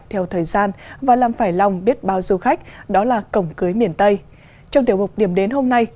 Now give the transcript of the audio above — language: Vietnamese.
theo thời gian và làm phải lòng biết bao du khách đó là cổng cưới miền tây trong tiểu mục điểm đến hôm nay